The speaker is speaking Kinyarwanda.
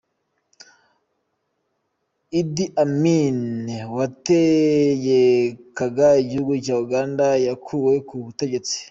Idi Amin wategekaga igihugu cya Uganda yakuwe ku butegetsi.